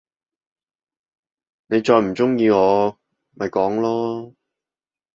你再唔中意我，咪講囉！